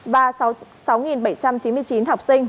và sáu bảy trăm chín mươi chín học sinh